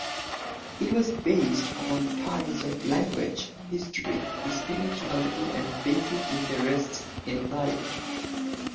It was based on ties of language, history, spirituality and basic interests in life.